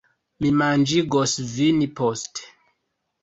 Mi manĝigos vin poste